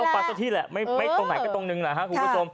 มันต้องปังซักที่แหละไม่ตรงไหนก็ตรงนึงนะฮะคุณผู้ชม